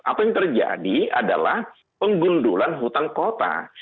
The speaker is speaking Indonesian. apa yang terjadi adalah penggundulan hutan kota